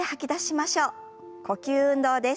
呼吸運動です。